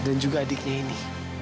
dan juga adiknya ini